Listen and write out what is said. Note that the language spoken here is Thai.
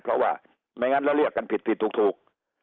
เพราะว่าไม่งั้นเราเรียกกันผิดผิดถูก